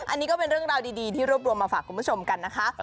อันนี้ก็เป็นเรื่องราวดีที่รวบรวมมาฝากคุณผู้ชมกันนะคะ